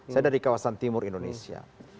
saya dari kawasan timur indonesia